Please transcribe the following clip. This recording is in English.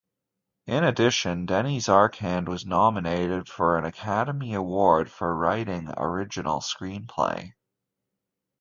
In addition, Denys Arcand was nominated for an Academy Award for Writing Original Screenplay.